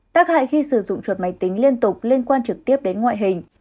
tác hại khi sử dụng chuột máy tính liên tục liên quan trực tiếp đến ngoại hình